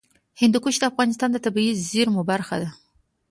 هندوکش د افغانستان د طبیعي زیرمو برخه ده.